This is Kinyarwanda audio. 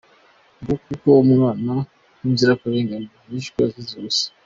Nguko uko umwana w’inzirakarengane yishwe azize ubusa.